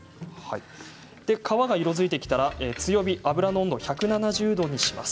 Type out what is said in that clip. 皮が色づいてきたら油の温度を１７０度にします。